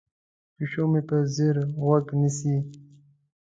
پیشو مې په ځیر غوږ نیسي.